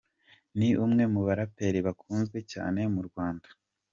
Ni umwe mu baraperi bakunzwe cyane mu Rwanda.